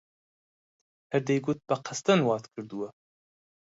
هەر دەیگوت بە قەستەن وات کردووە!